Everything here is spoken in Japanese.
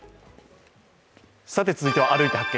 続いては「歩いて発見！